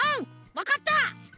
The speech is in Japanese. わかった！